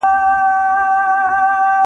دوی د سبا ورځې مسلمانان دي.